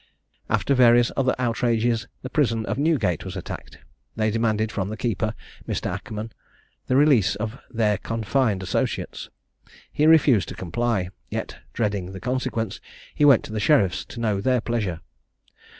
After various other outrages, the prison of Newgate was attacked. They demanded from the keeper, Mr. Ackerman, the release of their confined associates: he refused to comply; yet, dreading the consequence, he went to the sheriff's to know their pleasure.